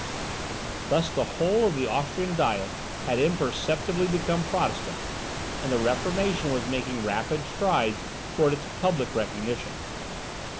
Thus the whole of the Austrian Diet had imperceptibly become Protestant, and the Reformation was making rapid strides towards its public recognition.